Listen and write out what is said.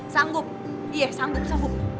sanggup iya sanggup sanggup